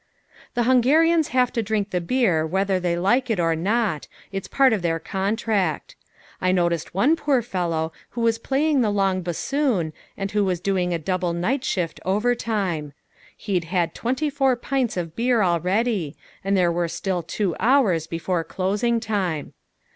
The Hungarians have to drink the beer whether they like it or not it's part of their contract. I noticed one poor fellow who was playing the long bassoon, and who was doing a double night shift overtime. He'd had twenty four pints of beer already, and there were still two hours before closing time.